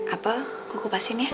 apel kukupasin ya